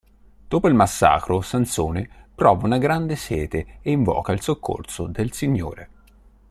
Dopo il massacro, Sansone prova una grande sete e invoca il soccorso del Signore.